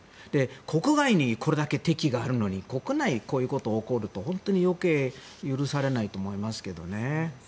国外にこれだけ敵があるのに国内でこういうことが起こると本当に余計許されないと思いますけどね。